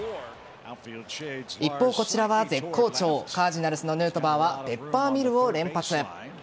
一方、こちらは絶好調カージナルスのヌートバーはペッパーミルを連発。